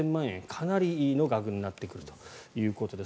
かなりの額になってくるということです。